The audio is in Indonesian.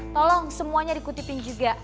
tolong semuanya dikutipin juga